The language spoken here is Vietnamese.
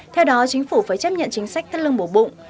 theo đó chính phủ phải chấp nhận chính sách thất lưng bổ bụng